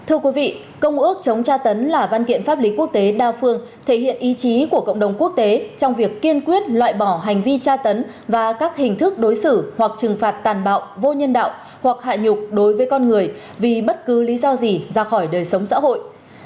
thưa quý vị công ước chống tra tấn là văn kiện pháp lý quốc tế đa phương thể hiện ý chí của cộng đồng quốc tế trong việc kiên quyết loại bỏ hành vi tra tấn và các hình thức đối xử hoặc trừng phạt tàn bạo vô nhân đạo hoặc hạ nhục đối với con người vì bất cứ lý do gì ra khỏi đời sống xã hội